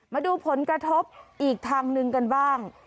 มาดูผลกระทบอีกทางหนึ่งกันบ้าง